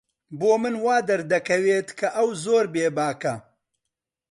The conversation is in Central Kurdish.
بۆ من وا دەردەکەوێت کە ئەو زۆر بێباکە.